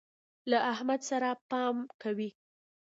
له احمد سره پام کوئ.